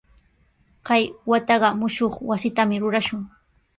Kay wataqa mushuq wasitami rurashun.